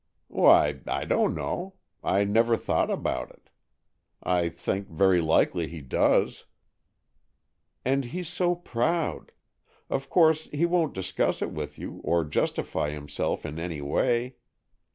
"Why, I don't know; I never thought about it. I think very likely he does." "And he's so proud, of course he won't discuss it with you, or justify himself in any way.